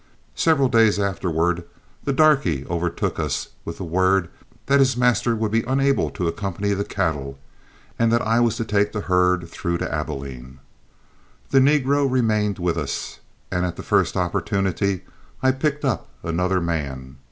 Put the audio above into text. Several days afterward the darky overtook us with the word that his master would be unable to accompany the cattle, and that I was to take the herd through to Abilene. The negro remained with us, and at the first opportunity I picked up another man.